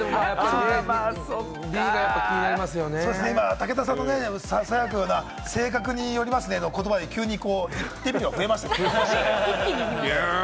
武田さんのささやくような、性格によりますねの言葉で急に１票増えましたね。